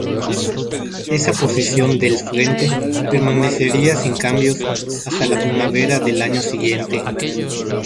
Esa posición del frente permanecería sin cambios hasta la primavera del año siguiente.